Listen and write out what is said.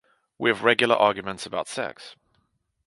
We have regular arguments about sex.